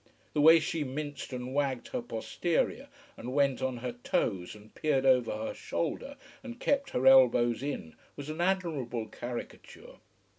The way she minced and wagged her posterior and went on her toes and peered over her shoulder and kept her elbows in was an admirable caricature.